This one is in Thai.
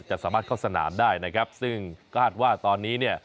จะสามารถเข้าสนามได้นะครับซึ่งคาดว่าตอนนี้เนี่ย